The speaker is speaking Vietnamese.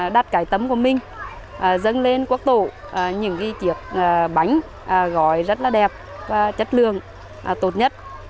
đặt cái tấm của mình dâng lên quốc tổ những chiếc bánh gói rất là đẹp và chất lượng tốt nhất